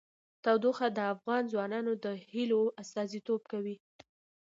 تودوخه د افغان ځوانانو د هیلو استازیتوب کوي.